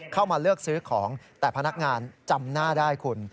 เข้ามาเลือกซื้อของแต่พนักงานจำหน้าได้คุณ